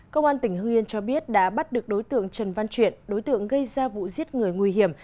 công an tỉnh hương yên cho biết đã bắt được đối tượng trần văn chuyện đối tượng gây ra vụ giết người nguy hiểm